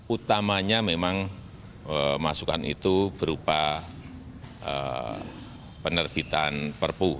utamanya memang masukan itu berupa penerbitan perpu